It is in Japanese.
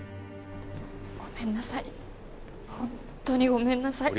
ごめんなさい